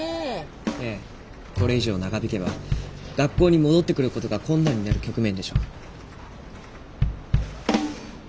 ええこれ以上長引けば学校に戻ってくる事が困難になる局面でしょう。